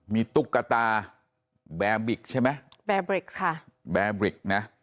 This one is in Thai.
มีตุ๊กตาแบร์บริกใช่ไหมแบร์บริกค่ะแบร์บริกนะ